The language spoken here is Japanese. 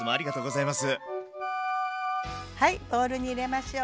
はいボウルに入れましょう。